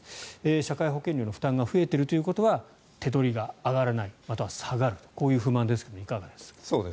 社会保険料の負担が増えているということは手取りが上がらないまたは下がるとこういう不満ですがいかがですか。